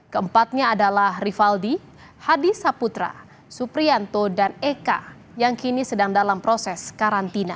keempatnya adalah rivaldi hadi saputra suprianto dan eka yang kini sedang dalam proses karantina